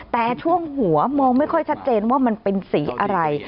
แต่ช่วงหัวมองไม่ค่อยชัดเจนว่ามันเป็นสีอะไร